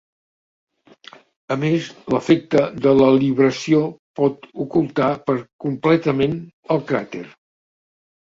A més, l'efecte de la libració pot ocultar per completament el cràter.